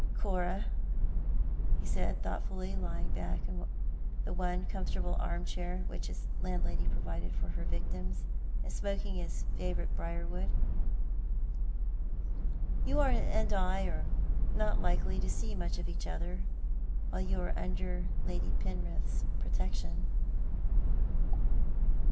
" Cora,"' he said, thoughtfully, lying back in the one comfort able armchair which his landlady provided for her victims, and smoking his favourite briarwood, " you and I are not likely to see much of each other while you are under Lady Penrith's protection."